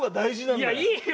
いやいいよ！